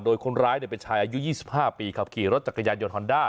โดยคนร้ายเป็นชายอายุ๒๕ปีขับขี่รถจักรยานยนฮอนด้า